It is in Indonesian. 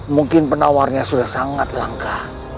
mungkin penawarnya sudah sangat langka